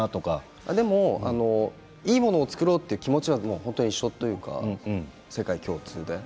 いいものを作ろうという気持ちは一緒というか世界共通で。